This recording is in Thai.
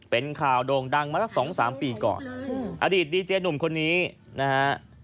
เป็นข่าวโด่งดังมาสักสองสามปีก่อนอดีตดีเจหนุ่มคนนี้นะฮะ